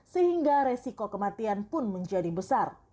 sehingga resiko kematian pun menjadi besar